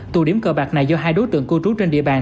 tụ điểm cờ bạc này do hai đối tượng cư trú trên địa bàn